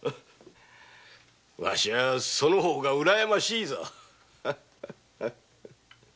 ワシはその方がうらやましいぞ。